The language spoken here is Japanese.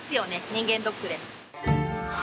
人間ドックで。